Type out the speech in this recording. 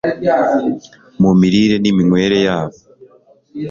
mu mirire niminywere yabo